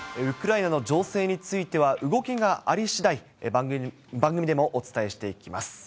ウクライナの情勢については、動きがありしだい、番組でもお伝えしていきます。